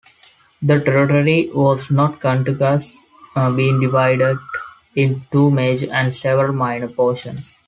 The territory was not contiguous, being divided into two major and several minor portions.